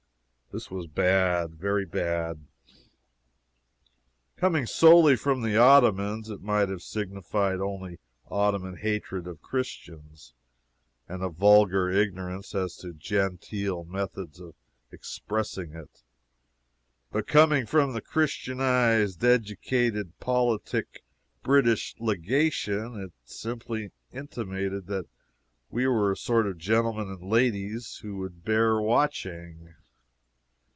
This was bad very bad. Coming solely from the Ottomans, it might have signified only Ottoman hatred of Christians, and a vulgar ignorance as to genteel methods of expressing it; but coming from the Christianized, educated, politic British legation, it simply intimated that we were a sort of gentlemen and ladies who would bear watching!